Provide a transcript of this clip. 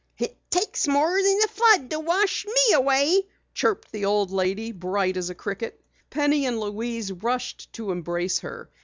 "It takes more than a flood to wash me away!" chirped the old lady, bright as a cricket. Penny and Louise rushed to embrace her.